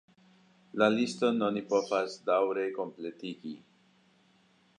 La liston oni povas daŭre kompletigi.